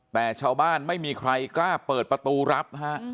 แต่ชาวบ้านไม่มีใครกล้าเปิดประตูรับนะฮะ